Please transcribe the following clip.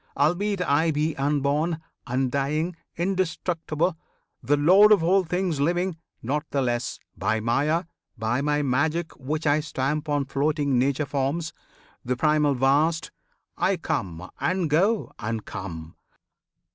Albeit I be Unborn, undying, indestructible, The Lord of all things living; not the less By Maya, by my magic which I stamp On floating Nature forms, the primal vast I come, and go, and come.